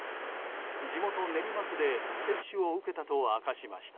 地元・練馬区で接種を受けたと明かしました。